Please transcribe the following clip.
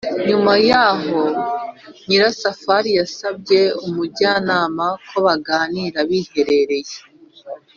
nyuma yaho nyirasafari yasabye umujyanama ko baganira biherereye ;